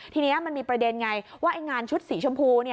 ทีนี้มันมีประเด็นไงว่าไอ้งานชุดสีชมพู